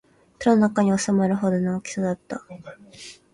手の中に収まるほどの大きさだった